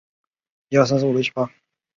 集惠寺始建于清朝乾隆四十八年。